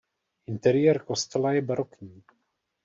Interiér kostela je barokní.